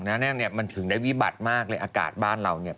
แน่เนี่ยมันถึงได้วิบัติมากเลยอากาศบ้านเราเนี่ย